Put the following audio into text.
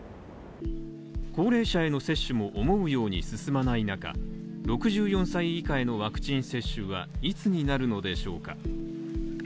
高齢者への接種も思うように進まない中、６４歳以下へのワクチン接種はいつになるのでしょうか